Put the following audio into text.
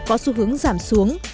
có xu hướng giảm xuống